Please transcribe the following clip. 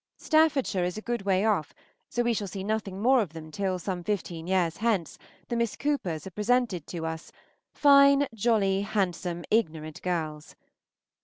Staffordshire is a good way off; so we shall see nothing more of them till, some fifteen years hence, the Miss Coopers are presented to us, fine, jolly, handsome, ignorant girls.